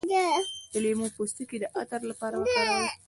د لیمو پوستکی د عطر لپاره وکاروئ